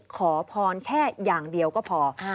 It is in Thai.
ขอพรแค่อย่างเดียวก็พอ